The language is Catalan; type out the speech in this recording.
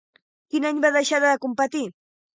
Quin any va deixar de competir?